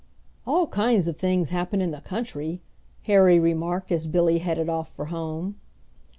"All kinds of things happen in the country," Harry remarked, as Billy headed off for home.